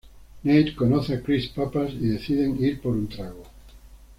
Nate conoce a Chris Pappas y deciden ir por un trago.